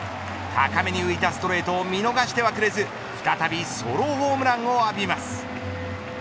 高めに浮いたストレートを見逃してはくれず再びソロホームランを浴びます。